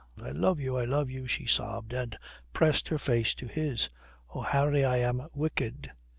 "I love you, I love you," she sobbed, and pressed her face to his.... "Oh, Harry, I am wicked."